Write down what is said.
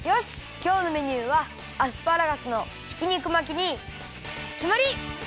きょうのメニューはアスパラガスのひき肉巻きにきまり！